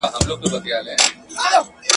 زه پر خپلي ناشکرۍ باندي اوس ژاړم.